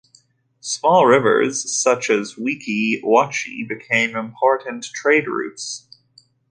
Small rivers, such as the Weeki Wachee, became important trade routes.